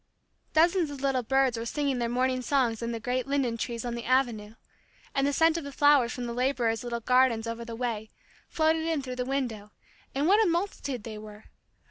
Dozens of little birds were singing their morning songs in the great linden trees on the avenue, and the scent of the flowers from the laborers' little gardens over the way, floated in through the window, and what a multitude they were!